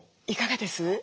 いかがです？